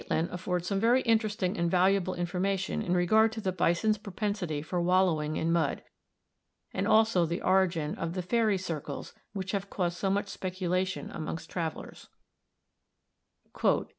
Catlin affords some very interesting and valuable information in regard to the bison's propensity for wollowing in mad, and also the origin of the "fairy circles," which have caused so much speculation amongst travelers: [Note 36: North American Indians, vol. I, p.